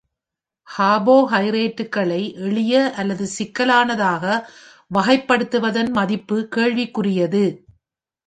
கார்போஹைட்ரேட்டுகளை எளிய அல்லது சிக்கலானதாக வகைப்படுத்துவதன் மதிப்பு கேள்விக்குரியது.